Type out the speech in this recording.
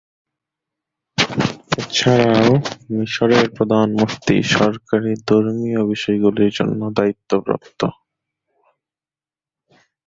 এছাড়াও মিশরের প্রধান মুফতি সরকারী ধর্মীয় বিষয়গুলির জন্য দায়িত্বপ্রাপ্ত।